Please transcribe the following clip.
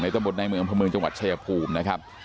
ในตะบดในเมืองพระเมืองจังหวัดเชยภูมินะครับ